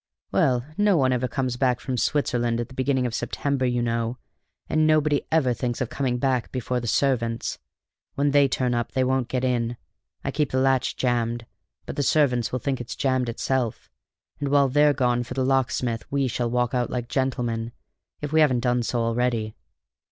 Well, no one ever comes back from Switzerland at the beginning of September, you know; and nobody ever thinks of coming back before the servants. When they turn up they won't get in. I keep the latch jammed, but the servants will think it's jammed itself, and while they're gone for the locksmith we shall walk out like gentlemen if we haven't done so already."